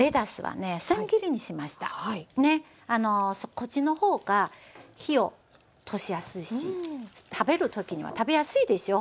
こっちの方が火を通しやすいし食べる時には食べやすいでしょう？